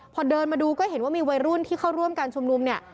พอเดินมาดูก็เห็นว่ามีวัยรุ่นที่เข้าร่วมการชุมนุมเนี่ย